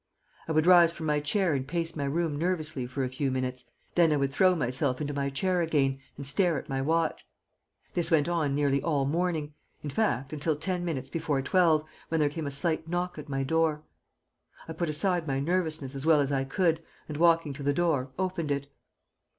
I would rise from my chair and pace my room nervously for a few minutes; then I would throw myself into my chair again and stare at my watch. This went on nearly all the morning in fact, until ten minutes before twelve, when there came a slight knock at my door. I put aside my nervousness as well as I could, and, walking to the door, opened it.